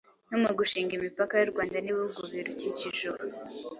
no mu gushinga imipaka y'u Rwanda n'ibihugu birukikije ubu.